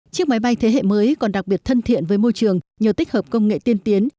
chiếc máy bay thế hệ mới còn đặc biệt thân thiện với môi trường nhờ tích hợp công nghệ tiên tiến